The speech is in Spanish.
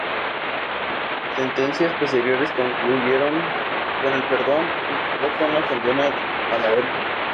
Sentencias posteriores concluyeron con el perdón o con la condena a la horca.